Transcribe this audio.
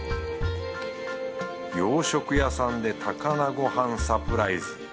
洋食屋さんで高菜ごはんサプライズ。